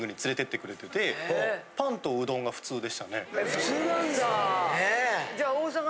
普通なんだ。